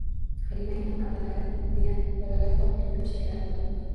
“Halima enam allalari” degan bolalarbop turkum she’rlarim bor.